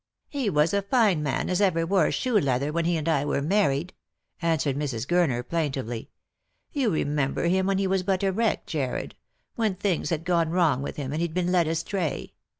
"He was as fine a man as ever wore shoe leather when he and I were married," answered Mrs. Gurner plaintively. " You remember him when he was but a wreck, Jarred ; when things had gone wrong with him, and he'd been led astray.